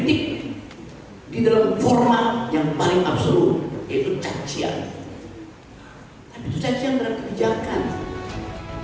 tapi itu cacian dalam kebijakan